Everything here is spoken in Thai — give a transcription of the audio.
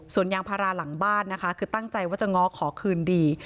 ส่วนยางพาราหลังบ้านนะคะคือตั้งใจว่าจะง้อขอคืนดี